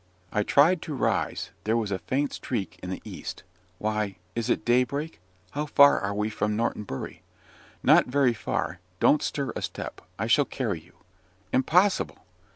I tried to rise. There was a faint streak in the east. "Why, it is daybreak! How far are we from Norton Bury?" "Not very far. Don't stir a step. I shall carry you." "Impossible!"